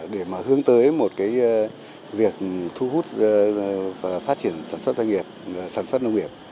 để mà hướng tới một cái việc thu hút và phát triển sản xuất doanh nghiệp sản xuất nông nghiệp